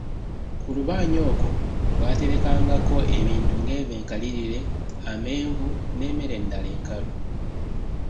"Ku lubanyi okwo baaterekangako ebintu ng’enva enkalirire, amenvu n’emmere endala enkalu."